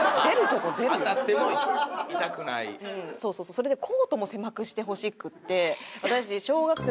それでコートも狭くしてほしくて私。